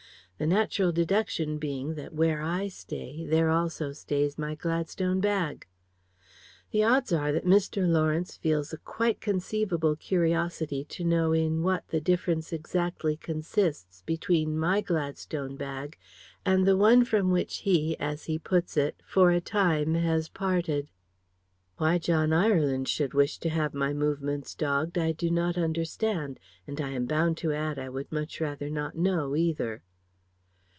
The natural deduction being that where I stay, there also stays my Gladstone bag. The odds are that Mr. Lawrence feels a quite conceivable curiosity to know in what the difference exactly consists between my Gladstone bag, and the one from which he, as he puts it, for a time has parted. Why John Ireland should wish to have my movements dogged I do not understand; and I am bound to add I would much rather not know either."